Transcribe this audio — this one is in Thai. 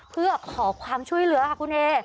เพื่อขอความช่วยเหลือค่ะคุณเอ